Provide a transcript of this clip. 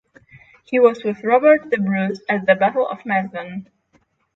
He was with Robert the Bruce at the Battle of Methven.